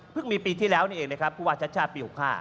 มีปีที่แล้วนี่เองนะครับผู้ว่าชัดชาติปี๖๕